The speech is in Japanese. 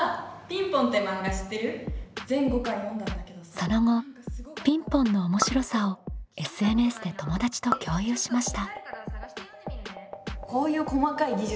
その後「ピンポン」の面白さをＳＮＳで友達と共有しました。